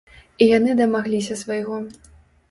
І яны дамагліся свайго.